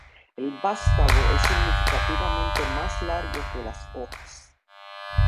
El vástago es significativamente más largo que las hojas.